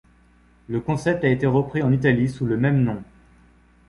Le concept a été repris en Italie sous le même nom.